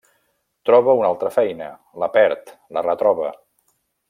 Troba una altra feina, la perd, la retroba.